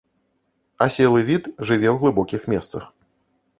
Аселы від, жыве ў глыбокіх месцах.